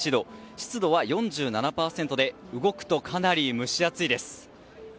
湿度は４７％で動くとかなり蒸し暑いです。